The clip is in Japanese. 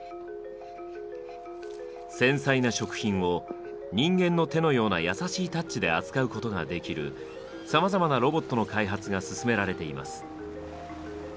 繊細な食品を人間の手のような優しいタッチで扱うことができるさまざまなロボットの開発が進められています。